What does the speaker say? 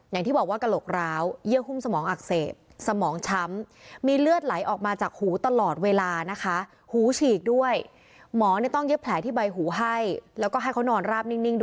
อย่างที่บอกว่ากะโหลกร้าวเยื่อหุ้มสมองอักเสบ